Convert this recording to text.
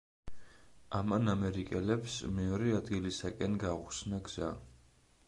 ამან ამერიკელებს მეორე ადგილისაკენ გაუხსნა გზა.